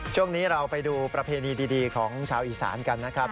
ช่วงนี้เราไปดูประเพณีดีของชาวอีสานกันนะครับ